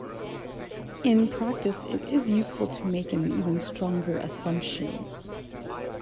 In practice it is useful to make an even stronger assumption.